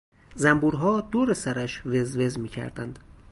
زنبورها دور سرش وزوز میکردند.